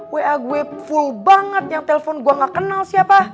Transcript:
wa gue full banget yang telpon gue gak kenal siapa